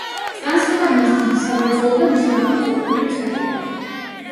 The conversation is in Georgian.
ტრანსილვანიის დიდი სამრეწველო და მნიშვნელოვანი კულტურული ცენტრია.